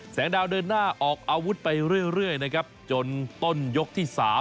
แสงดาวเดินหน้าออกอาวุธไปเรื่อยนะครับจนต้นยกที่๓